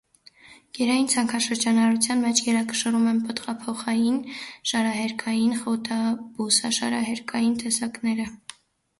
Կերային ցանքաշրջանառության մեջ գերակշռում են պտղափոխային, շարահերկային, խոտաբույսաշարահերկային տեսակները։